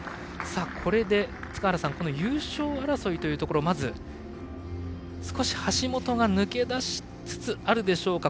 これで塚原さん優勝争いというところまず、少し橋本が抜け出しつつあるでしょうか。